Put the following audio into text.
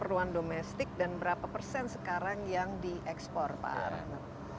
keperluan domestik dan berapa persen sekarang yang diekspor pak rano